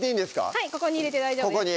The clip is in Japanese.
はいここに入れて大丈夫です